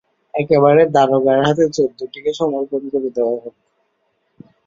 একেবারে দারোগার হাতে চোর দুটিকে সমর্পণ করে দেওয়া হোক।